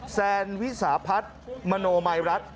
แซนวิสาพัฒน์มโนมัยรัฐ